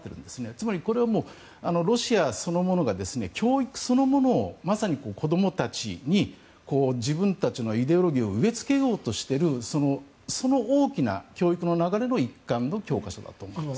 つまりこれはロシアそのものが教育そのものをまさに子供たちに自分たちのイデオロギーを植え付けようとしているその大きな教育の流れの一端の教科書だと思います。